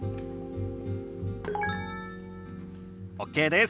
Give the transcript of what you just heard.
ＯＫです。